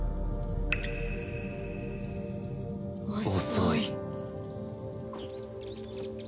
遅い